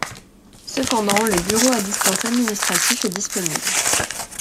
Cependant le bureau à distance administratif est disponible.